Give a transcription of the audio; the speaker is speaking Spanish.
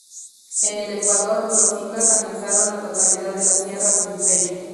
En el Ecuador, los Incas anexaron la totalidad de la sierra a su imperio.